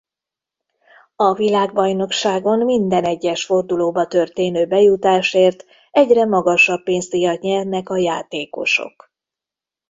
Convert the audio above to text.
A világbajnokságon minden egyes fordulóba történő bejutásért egyre magasabb pénzdíjat nyernek a játékosok.